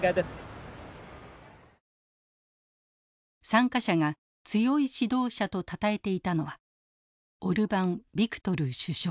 参加者が強い指導者とたたえていたのはオルバン・ビクトル首相。